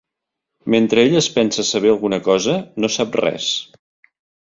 Mentre ell es pensa saber alguna cosa, no sap res.